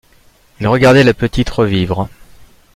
Il regardait la petite revivre.